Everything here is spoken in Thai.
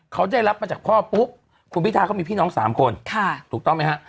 เขาได้รับมาจากพ่อปุ๊บคุณพิทาเขามีพี่น้อง๓คนถูกต้องไหมฮะ